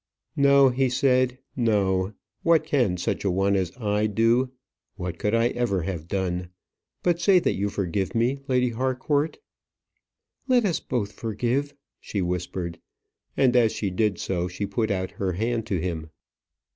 "No," he said. "No. What can such a one as I do? What could I ever have done? But say that you forgive me, Lady Harcourt." "Let us both forgive," she whispered, and as she did so, she put out her hand to him.